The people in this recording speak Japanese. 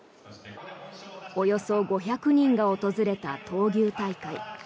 およそ５００人が訪れた闘牛大会。